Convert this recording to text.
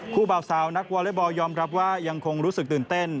เบาสาวนักวอเล็กบอลยอมรับว่ายังคงรู้สึกตื่นเต้น